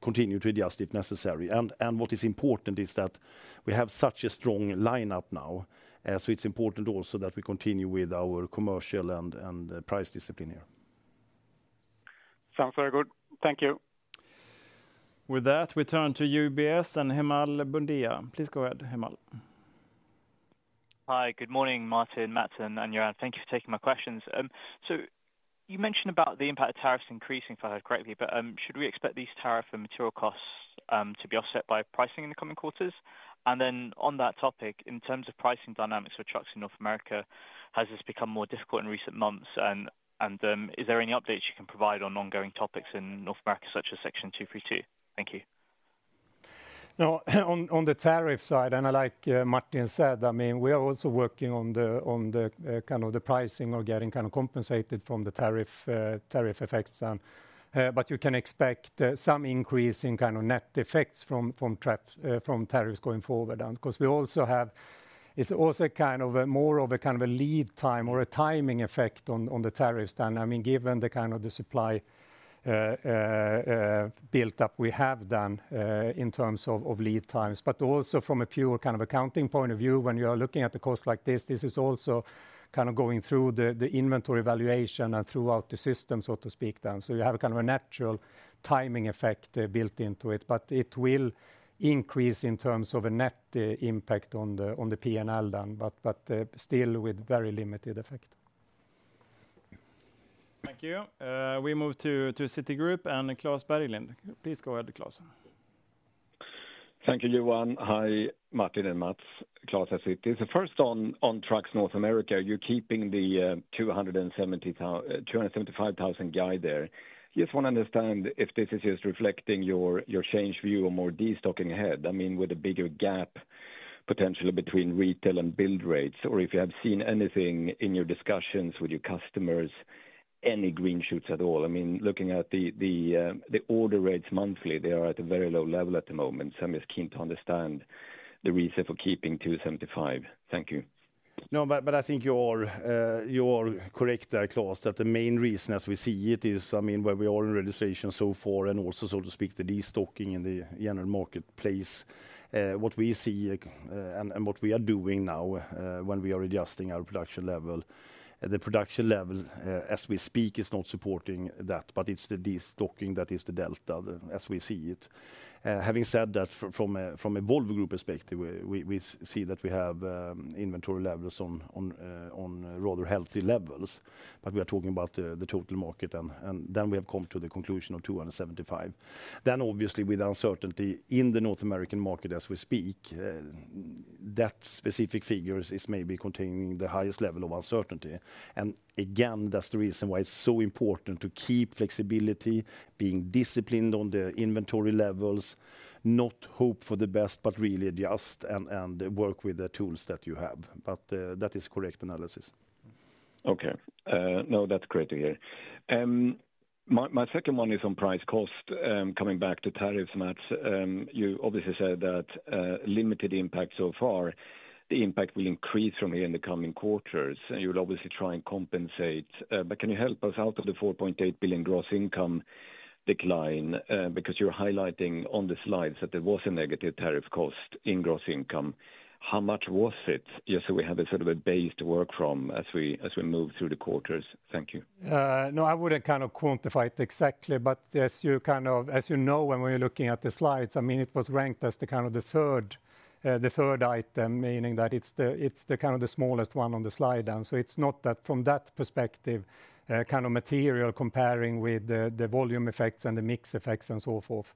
Speaker 2: continuing to adjust if necessary. What is important is that we have such a strong lineup now. So it's important also that we continue with our commercial and price discipline here.
Speaker 6: Sounds very good. Thank you.
Speaker 1: With that, we turn to UBS and Himal Bundia. Please go ahead, Himal. Hi, good morning, Martin, Mats, and Johan. Thank you for taking my questions. You mentioned about the impact of tariffs increasing, if I heard correctly, but should we expect these tariffs and material costs to be offset by pricing in the coming quarters? And then on that topic, in terms of pricing dynamics for trucks in North America, has this become more difficult in recent months? Is there any updates you can provide on ongoing topics in North America, such as Section 232? Thank you.
Speaker 3: No, on the tariff side, and like Martin said, I mean, we are also working on the kind of the pricing or getting kind of compensated from the tariff effects. You can expect some increase in kind of net effects from tariffs going forward because we also have, it's also kind of more of a kind of a lead time or a timing effect on the tariffs then. I mean, given the kind of the supply build-up we have done in terms of lead times. Also, from a pure kind of accounting point of view, when you are looking at the cost like this, this is also kind of going through the inventory valuation and throughout the system, so to speak, then. You have a kind of a natural timing effect built into it, but it will increase in terms of a net impact on the P&L then, but still with very limited effect.
Speaker 1: Thank you. We move to Citigroup and Klas Bergelind. Please go ahead, Klas.
Speaker 7: Thank you, Johan. Hi, Martin and Mats, Klas at Citi. So first on trucks North America, you're keeping the 275,000 guy there. Just want to understand if this is just reflecting your change view or more destocking ahead. I mean, with a bigger gap potentially between retail and build rates, or if you have seen anything in your discussions with your customers, any green shoots at all. I mean, looking at the order rates monthly, they are at a very low level at the moment. I'm just keen to understand the reason for keeping 275. Thank you.
Speaker 2: No, but I think you are correct there, Klas, that the main reason as we see it is, I mean, where we are in registration so far and also, so to speak, the destocking in the general marketplace. What we see and what we are doing now when we are adjusting our production level, the production level as we speak is not supporting that, but it's the destocking that is the delta, as we see it. Having said that, from a Volvo Group perspective, we see that we have inventory levels on rather healthy levels, but we are talking about the total market, and then we have come to the conclusion of 275. Then obviously with uncertainty in the North American market as we speak, that specific figure is maybe containing the highest level of uncertainty. Again, that's the reason why it's so important to keep flexibility, being disciplined on the inventory levels, not hope for the best, but really adjust and work with the tools that you have. That is a correct analysis.
Speaker 7: Okay, no, that's great to hear. My second one is on price cost. Coming back to tariffs, Mats, you obviously said that limited impact so far, the impact will increase from here in the coming quarters. You will obviously try and compensate. Can you help us out of the 4.8 billion gross income decline? Because you're highlighting on the slides that there was a negative tariff cost in gross income. How much was it? Just so we have a sort of a base to work from as we move through the quarters. Thank you.
Speaker 3: No, I wouldn't kind of quantify it exactly, but as you kind of, as you know, when we're looking at the slides, I mean, it was ranked as the kind of the third item, meaning that it's the kind of the smallest one on the slide then. It's not that from that perspective, kind of material comparing with the volume effects and the mix effects and so forth.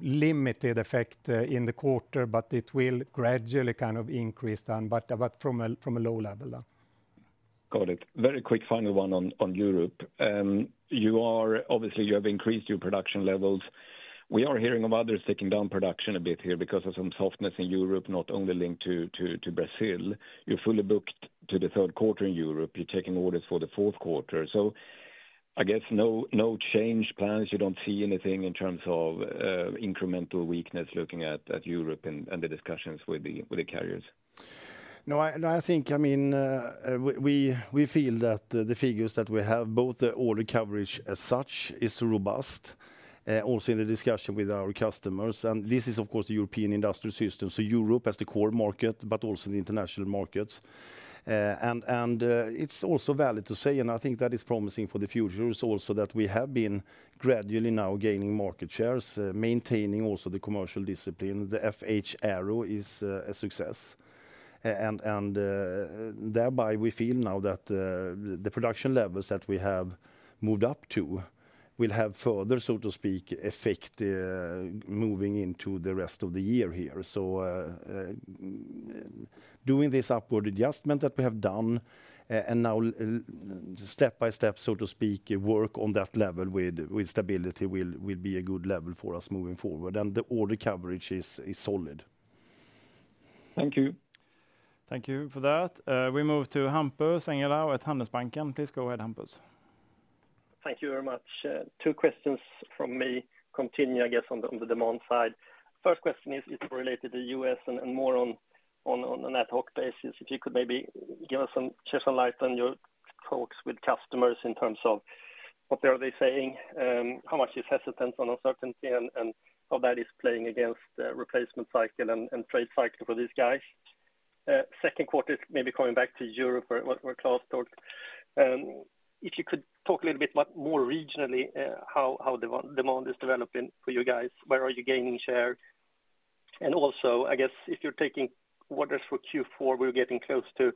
Speaker 3: Limited effect in the quarter, but it will gradually kind of increase then, but from a low level then.
Speaker 7: Got it. Very quick final one on Europe. You are obviously, you have increased your production levels. We are hearing of others taking down production a bit here because of some softness in Europe, not only linked to Brazil. You're fully booked to the third quarter in Europe. You're taking orders for the fourth quarter. I guess no change plans. You don't see anything in terms of incremental weakness looking at Europe and the discussions with the carriers?
Speaker 2: No, I think, I mean, we feel that the figures that we have, both the order coverage as such, is robust. Also in the discussion with our customers. This is, of course, the European industrial system. So Europe has the core market, but also the international markets. It's also valid to say, and I think that is promising for the future, is also that we have been gradually now gaining market shares, maintaining also the commercial discipline. The FH Aero is a success. Thereby we feel now that the production levels that we have moved up to will have further, so to speak, effect. Moving into the rest of the year here. Doing this upward adjustment that we have done and now, step by step, so to speak, work on that level with stability will be a good level for us moving forward. The order coverage is solid.
Speaker 7: Thank you.
Speaker 1: Thank you for that. We move to Hampus Engellau at Handelsbanken. Please go ahead, Hampus.
Speaker 8: Thank you very much. Two questions from me continue, I guess, on the demand side. First question is related to the U.S. and more on, an ad hoc basis. If you could maybe give us some light on your talks with customers in terms of what they are saying, how much is hesitant on uncertainty, and how that is playing against the replacement cycle and trade cycle for these guys. Second quarter is maybe coming back to Europe where Klas talked. If you could talk a little bit more regionally, how demand is developing for you guys, where are you gaining share? Also, I guess if you're taking orders for Q4, we're getting close to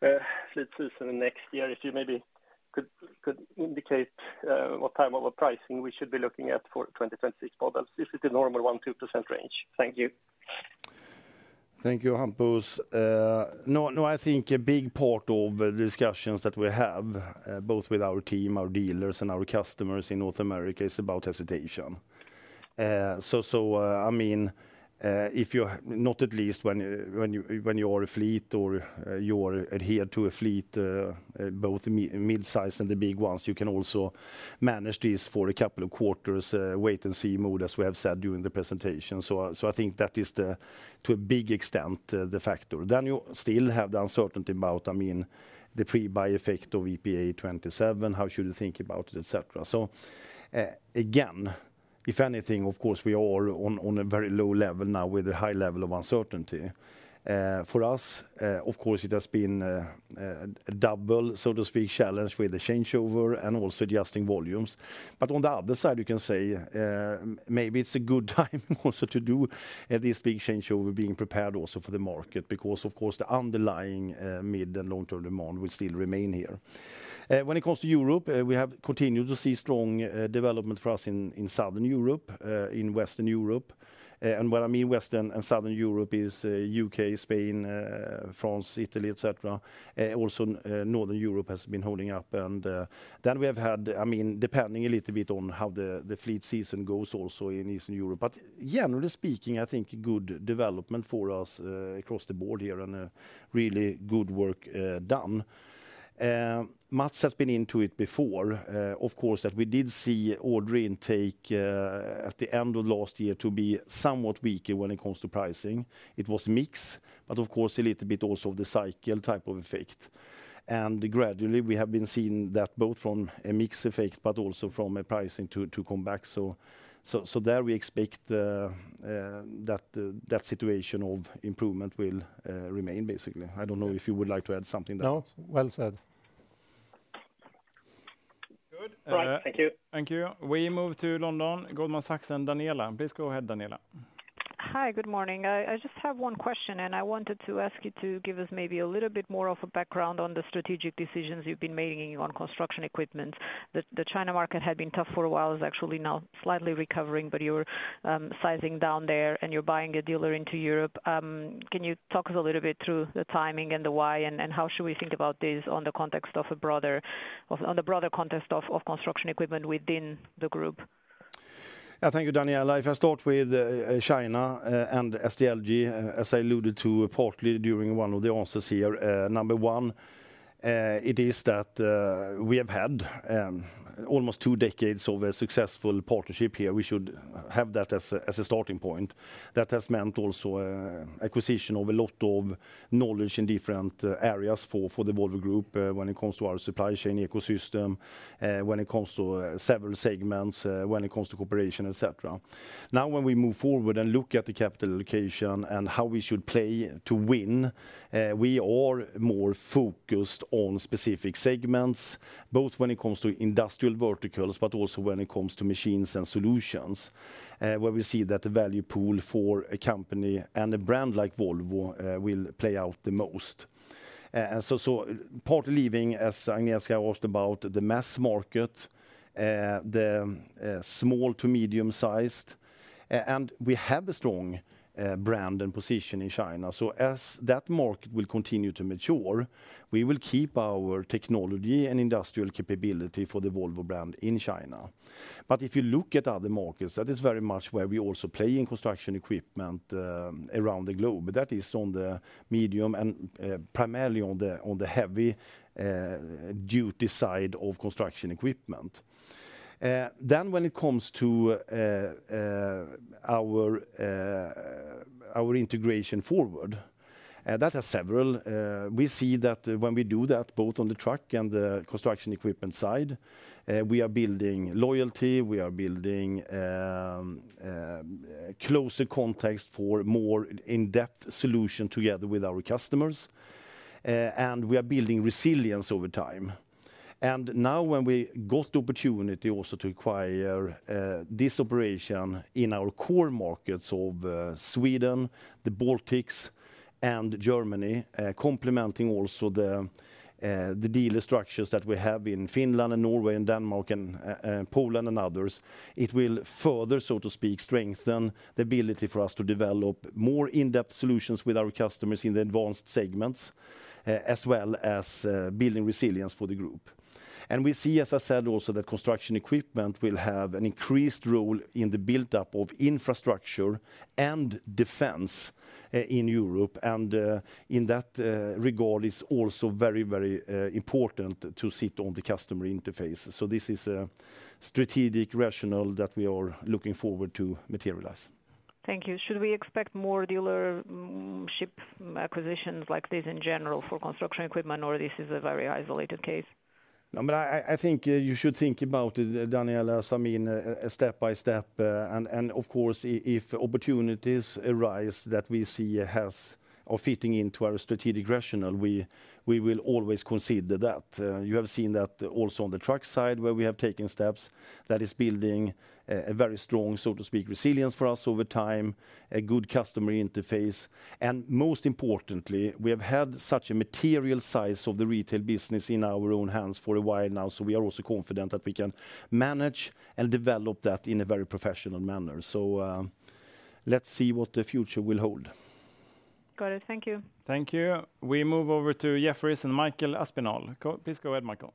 Speaker 8: solid season next year. If you maybe could indicate what type of pricing we should be looking at for 2026 models, if it's a normal 1%-2% range? Thank you.
Speaker 2: Thank you, Hampus. No, I think a big part of the discussions that we have, both with our team, our dealers, and our customers in North America, is about hesitation. So, I mean, if you, not at least when you are a fleet or you are adhered to a fleet, both the mid-size and the big ones, you can also manage this for a couple of quarters, wait-and-see mode, as we have said during the presentation. So I think that is, to a big extent, the factor. Then you still have the uncertainty about, I mean, the pre-buy effect of EPA 27, how should you think about it, etc. So, again, if anything, of course, we are on a very low level now with a high level of uncertainty. For us, of course, it has been a double, so to speak, challenge with the changeover and also adjusting volumes. But on the other side, you can say. Maybe it's a good time also to do this big changeover, being prepared also for the market, because, of course, the underlying mid and long-term demand will still remain here. When it comes to Europe, we have continued to see strong development for us in Southern Europe, in Western Europe. What I mean Western and Southern Europe is U.K., Spain, France, Italy, etc. Also, Northern Europe has been holding up. Then we have had, I mean, depending a little bit on how the fleet season goes also in Eastern Europe. Generally speaking, I think good development for us across the board here and really good work done. Mats has been into it before. Of course, that we did see order intake at the end of last year to be somewhat weaker when it comes to pricing. It was a mix, but of course, a little bit also of the cycle type of effect. Gradually, we have been seeing that both from a mixed effect, but also from a pricing to come back. There we expect that situation of improvement will remain, basically. I don't know if you would like to add something there.
Speaker 3: No, well said.
Speaker 1: All right, thank you. Thank you. We move to London, Goldman Sachs and Daniela. Please go ahead, Daniela.
Speaker 9: Hi, good morning. I just have one question, and I wanted to ask you to give us maybe a little bit more of a background on the strategic decisions you've been making on construction equipment. The China market had been tough for a while, is actually now slightly recovering, but you're sizing down there and you're buying a dealer into Europe. Can you talk us a little bit through the timing and the why and how should we think about this on the context of a broader, on the broader context of construction equipment within the group?
Speaker 2: Yeah, thank you, Daniela. If I start with China and SDLG, as I alluded to partly during one of the answers here. Number one, it is that we have had almost two decades of a successful partnership here. We should have that as a starting point. That has meant also acquisition of a lot of knowledge in different areas for the Volvo Group when it comes to our supply chain ecosystem, when it comes to several segments, when it comes to cooperation, etc. Now, when we move forward and look at the capital allocation and how we should play to win, we are more focused on specific segments, both when it comes to industrial verticals, but also when it comes to machines and solutions, where we see that the value pool for a company and a brand like Volvo will play out the most. And so partly leaving, as Agnieszka asked about, the mass market, the small to medium-size, and we have a strong brand and position in China. As that market will continue to mature, we will keep our technology and industrial capability for the Volvo brand in China. If you look at other markets, that is very much where we also play in construction equipment around the globe. That is on the medium and primarily on the heavy-duty side of construction equipment. Then when it comes to our integration forward that has several. We see that when we do that, both on the truck and the construction equipment side, we are building loyalty, we are building closer context for more in-depth solutions together with our customers. We are building resilience over time. Now, when we got the opportunity also to acquire this operation in our core markets of Sweden, the Baltics, and Germany, complementing also the dealer structures that we have in Finland and Norway and Denmark and Poland and others, it will further, so to speak, strengthen the ability for us to develop more in-depth solutions with our customers in the advanced segments, as well as building resilience for the group. We see, as I said, also that construction equipment will have an increased role in the buildup of infrastructure and defense in Europe. And in that regard, it is also very, very important to sit on the customer interface. This is a strategic rationale that we are looking forward to materialize.
Speaker 9: Thank you. Should we expect more dealership acquisitions like this in general for construction equipment, or this is a very isolated case?
Speaker 2: No, but I think you should think about it, Daniela, as I mean, step by step. Of course, if opportunities arise that we see as fitting into our strategic rationale, we will always consider that. You have seen that also on the truck side where we have taken steps that is building a very strong, so to speak, resilience for us over time, a good customer interface. Most importantly, we have had such a material size of the retail business in our own hands for a while now. We are also confident that we can manage and develop that in a very professional manner. So, let's see what the future will hold.
Speaker 9: Got it. Thank you.
Speaker 1: Thank you. We move over to Jefferies and Michael Aspinall. Please go ahead, Michael.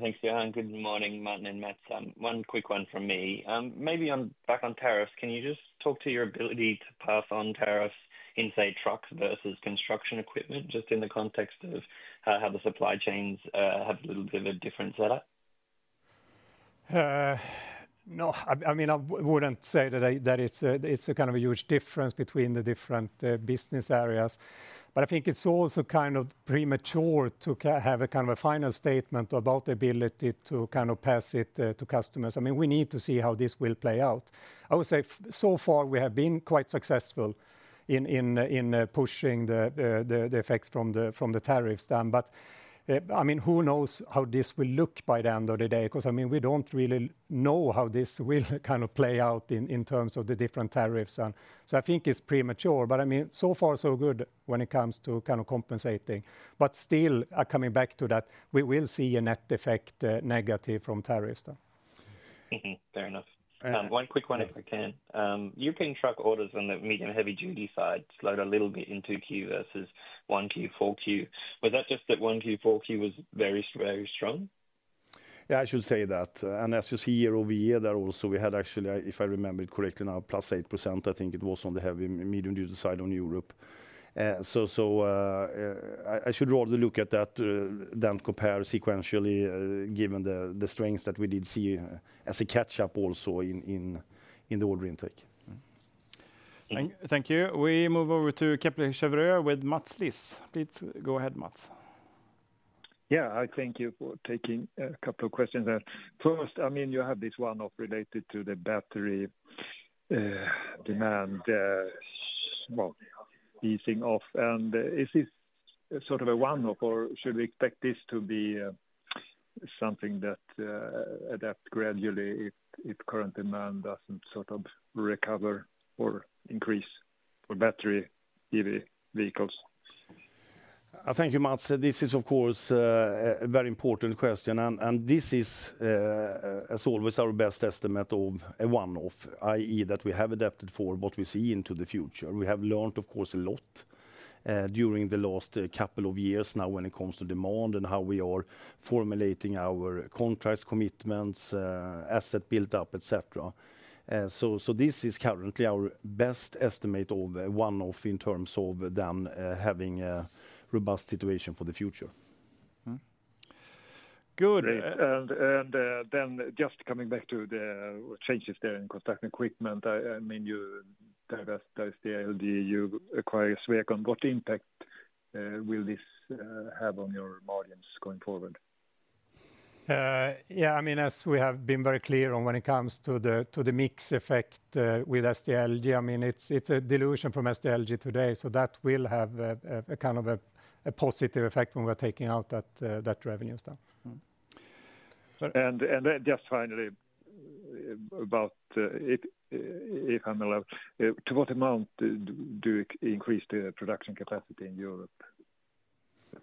Speaker 10: Thanks, Johan. Good morning, Martin and Mats. One quick one from me. Maybe on back on tariffs, can you just talk to your ability to pass on tariffs inside trucks versus construction equipment, just in the context of how the supply chains have a little bit of a different setup?
Speaker 3: No, I mean, I wouldn't say that it's a kind of a huge difference between the different business areas. I think it's also kind of premature to have a kind of a final statement about the ability to kind of pass it to customers. I mean, we need to see how this will play out. I would say so far we have been quite successful in pushing the effects from the tariffs down. I mean, who knows how this will look by the end of the day? Because I mean, we don't really know how this will kind of play out in terms of the different tariffs. So, I think it's premature. But I mean, so far, so good when it comes to kind of compensating. But still, coming back to that, we will see a net effect negative from tariffs.
Speaker 10: Fair enough. One quick one, if I can. European truck orders on the medium-heavy-duty side slowed a little bit in 2Q versus 1Q, 4Q. Was that just that 1Q, 4Q was very, very strong?
Speaker 2: Yeah, I should say that. And as you see here over year there also, we had actually, if I remember it correctly now, +8%, I think it was on the heavy medium-duty side on Europe. So, I should rather look at that than compare sequentially given the strengths that we did see as a catch-up also in the order intake.
Speaker 1: Thank you. We move over to Kepler Cheuvreux with Mats Liss. Please go ahead, Mats.
Speaker 11: Yeah, thank you for taking a couple of questions there. First, I mean, you have this one-off related to the battery demand easing off. Is this sort of a one-off, or should we expect this to be something that adapts gradually if current demand doesn't sort of recover or increase for battery EV vehicles?
Speaker 2: Thank you, Mats. This is, of course, a very important question. And this is as always our best estimate of a one-off, i.e., that we have adapted for what we see into the future. We have learned, of course, a lot during the last couple of years now when it comes to demand and how we are formulating our contracts, commitments, asset buildup, etc. So this is currently our best estimate of a one-off in terms of then having a robust situation for the future.
Speaker 11: Good. Then just coming back to the changes there in construction equipment, I mean, you divest SDLG, you acquire Swecon. What impact will this have on your margins going forward?
Speaker 3: Yeah, I mean, as we have been very clear on when it comes to the mix effect with SDLG, I mean, it's a dilution from SDLG today. That will have a kind of a positive effect when we're taking out that revenue stuff.
Speaker 11: Just finally about if I'm allowed to what amount do you increase the production capacity in Europe?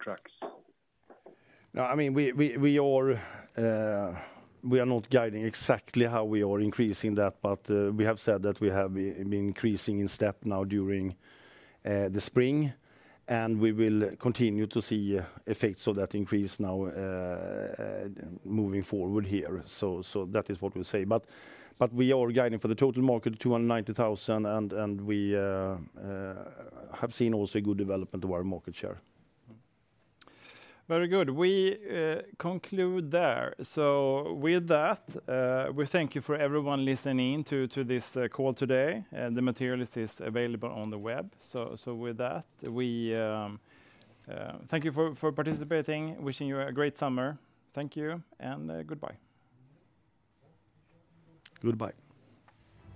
Speaker 11: Trucks.
Speaker 2: No, I mean, we are not guiding exactly how we are increasing that, but we have said that we have been increasing in step now during the spring. We will continue to see effects of that increase now moving forward here. So, that is what we'll say. But we are guiding for the total market of 290,000, and we have seen also a good development of our market share.
Speaker 1: Very good. We conclude there. So with that, we thank you for everyone listening to this call today. The material is available on the web. So with that, we thank you for participating. Wishing you a great summer. Thank you and goodbye.
Speaker 2: Goodbye.